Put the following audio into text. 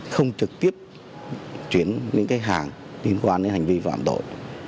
không trực tiếp chuyển hàng liên quan đến hành vi phạm tội